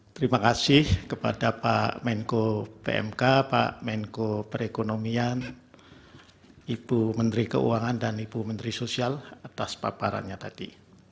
terima kasih kepada pak menko pmk pak menko perekonomian ibu menteri keuangan dan ibu menteri sosial atas paparannya tadi